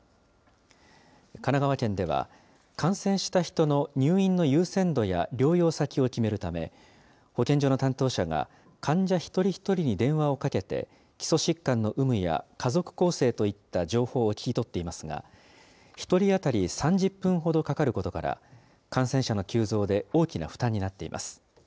神奈川県では、感染した人の入院の優先度や療養先を決めるため、保健所の担当者が患者一人一人に電話をかけて、基礎疾患の有無や家族構成といった情報を聞き取っていますが、１人当たり３０分ほどかかることから、感染者の急増で、大きな負担になっています。